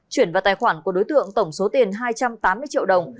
chuyển vào tài khoản của đối tượng tổng số tiền hai trăm tám mươi triệu đồng